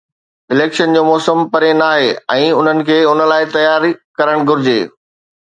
Election جو موسم پري ناهي ۽ انهن کي ان لاءِ تياري ڪرڻ گهرجي.